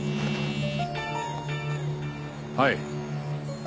はい。